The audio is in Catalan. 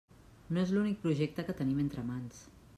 No és l'únic projecte que tenim entre mans.